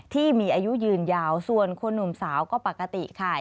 ที่มีอายุยืนยาวส่วนคนหนุ่มสาวก็ปกติค่ะ